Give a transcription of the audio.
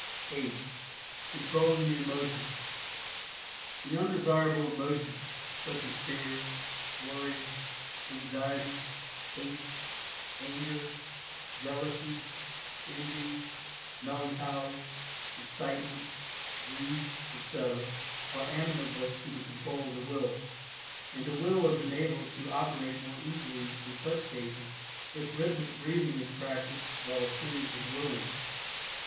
(8) CONTROLLING THE EMOTIONS. The undesirable emotions, such as Fear, Worry, Anxiety, Hate, Anger, Jealousy, Envy, Melancholy, Excitement, Grief, etc., are amenable to the control of the Will, and the Will is enabled to operate more easily in such cases if rhythmic breathing is practiced while the student is "willing."